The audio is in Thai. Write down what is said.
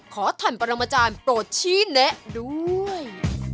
ขอทันประมาจารย์โปรดชี้เนะด้วย